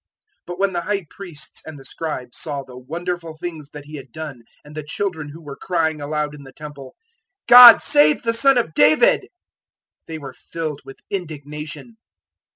021:015 But when the High Priests and the Scribes saw the wonderful things that He had done and the children who were crying aloud in the Temple, "God save the Son of David," they were filled with indignation.